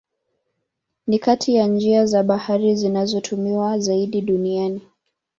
Ni kati ya njia za bahari zinazotumiwa zaidi duniani.